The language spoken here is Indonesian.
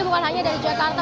bukan hanya dari jakarta